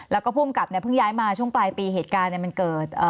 แล้วก็ภูมิกับเนี่ยเพิ่งย้ายมาช่วงปลายปีเหตุการณ์มันเกิด